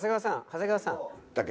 長谷川さん。